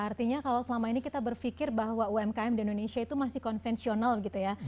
artinya kalau selama ini kita berpikir bahwa umkm di indonesia itu masih konvensional gitu ya